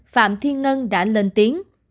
phạm thiên ngân đã lên tiếng